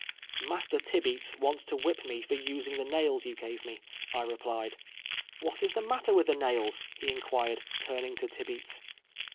" Master Tibeats wants to whip me for using the nails you gave me," I replied. " AVhat is the nuitter with the nails ?" he inquired, turning to Tibeats.